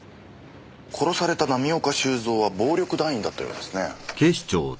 殺された浪岡収造は暴力団員だったようですね。